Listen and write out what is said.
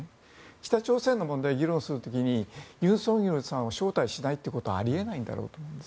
北朝鮮の問題を議論する時に尹錫悦さんを招待しないということはあり得ないんだろうと思います